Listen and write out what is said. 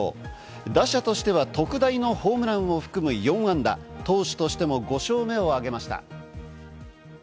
打者としては特大のホームランを含む４安打、投手としても５勝目を挙げました。